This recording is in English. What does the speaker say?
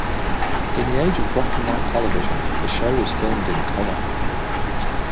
In the age of black-and-white television, the show was filmed in color.